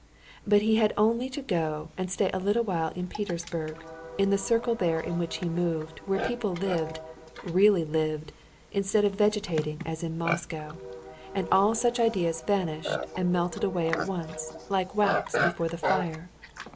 But he had only to go and stay a little while in Petersburg, in the circle there in which he moved, where people lived—really lived—instead of vegetating as in Moscow, and all such ideas vanished and melted away at once, like wax before the fire.